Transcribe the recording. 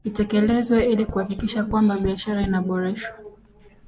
Itekelezwe ili kuhakikisha kwamba biashara inaboreshwa